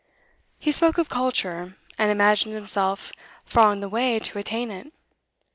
He spoke of Culture, and imagined himself far on the way to attain it.